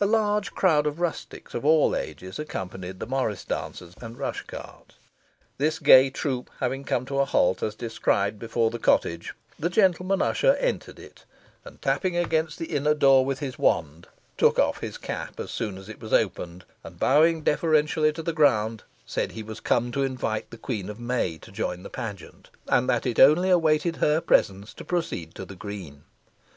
A large crowd of rustics, of all ages, accompanied the morris dancers and rush cart. This gay troop having come to a halt, as described, before the cottage, the gentleman usher entered it, and, tapping against the inner door with his wand, took off his cap as soon as it was opened, and bowing deferentially to the ground, said he was come to invite the Queen of May to join the pageant, and that it only awaited her presence to proceed to the green.